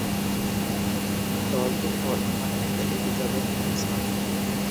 দলটির বর্তমান নেতা এলিজাবেথ হ্যানসন।